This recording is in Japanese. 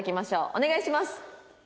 お願いします。